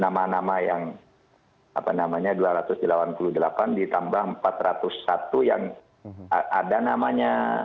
nama nama yang apa namanya dua ratus delapan puluh delapan ditambah empat ratus satu yang ada namanya